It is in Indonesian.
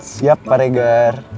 siap pak regar